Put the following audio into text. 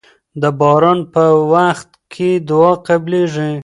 د باران په وخت کې دعا قبليږي.